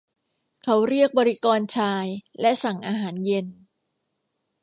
เขาเรียกบริกรชายและสั่งอาหารเย็น